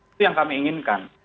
itu yang kami inginkan